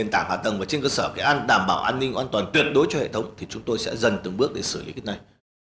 cả hạ tầng và trên cơ sở cái an đảm bảo an ninh an toàn tuyệt đối cho hệ thống thì chúng tôi sẽ dần từng bước để xử lý cái này